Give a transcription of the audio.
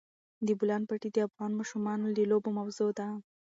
د بولان پټي د افغان ماشومانو د لوبو موضوع ده.